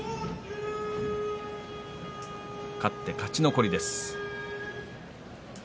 勝って勝ち残りです。